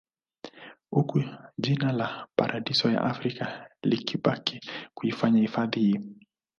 Uku jina la paradiso ya Afrika likibaki kuifanya hifadhi hii